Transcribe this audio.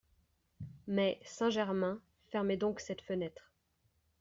Mais, Saint-Germain, fermez donc cette fenêtre…